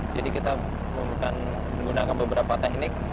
jadi kita menggunakan beberapa teknik